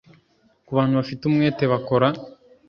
kubantu bafite umwete bakora